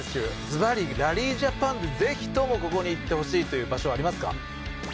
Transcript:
ずばりラリージャパンでぜひともここに行ってほしいという場所はありますか？